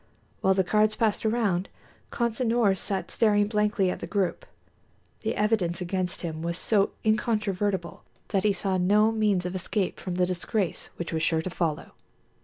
While the cards passed around, Consinor sat staring blankly at the group. The evidence against him was so incontrovertible that he saw no means of escape from the disgrace which was sure to follow.